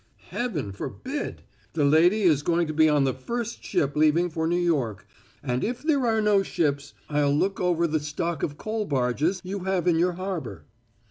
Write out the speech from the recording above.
"Heaven forbid! The lady is going to be on the first ship leaving for New York. And if there are no ships, I'll look over the stock of coal barges you have in your harbor."